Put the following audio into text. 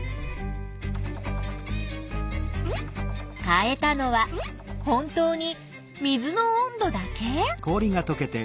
変えたのは本当に水の温度だけ？